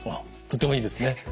とってもいいですね。